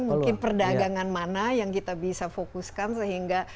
mungkin perdagangan mana yang kita bisa fokuskan sehingga